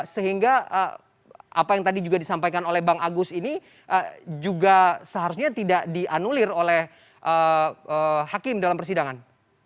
sehingga apa yang tadi juga disampaikan oleh bang agus ini juga seharusnya tidak dianulir oleh hakim dalam persidangan